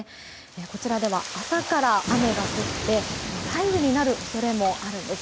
こちらでは、朝から雨が降って雷雨になる恐れもあるんです。